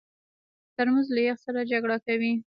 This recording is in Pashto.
ترموز له یخ سره جګړه کوي.